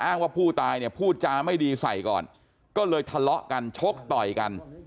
ว่าผู้ตายเนี่ยพูดจาไม่ดีใส่ก่อนก็เลยทะเลาะกันชกต่อยกัน